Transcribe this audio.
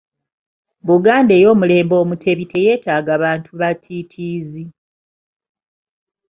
Buganda ey’omulembe Omutebi teyeetaaga bantu batiitiizi.